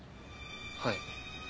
はい。